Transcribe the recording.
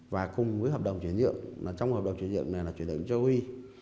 và cùng với hợp đồng chuyển dựng trong hợp đồng chuyển dựng này là chuyển dựng cho huy